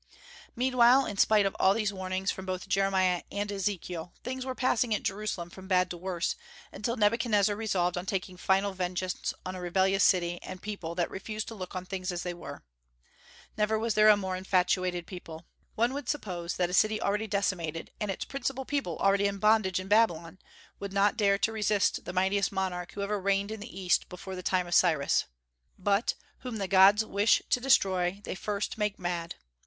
Meanwhile, in spite of all these warnings from both Jeremiah and Ezekiel, things were passing at Jerusalem from bad to worse, until Nebuchadnezzar resolved on taking final vengeance on a rebellious city and people that refused to look on things as they were. Never was there a more infatuated people. One would suppose that a city already decimated, and its principal people already in bondage in Babylon, would not dare to resist the mightiest monarch who ever reigned in the East before the time of Cyrus. But "whom the gods wish to destroy they first make mad."